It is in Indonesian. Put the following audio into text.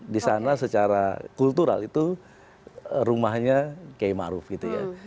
di sana secara kultural itu rumahnya k maruf gitu ya